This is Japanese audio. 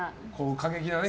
過激なね。